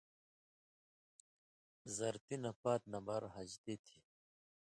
زرتی نہ پات نمبر ہَجتی تھی